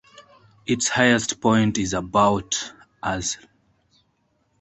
Its highest point is about asl.